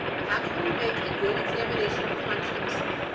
How can we make a good examination of conscience?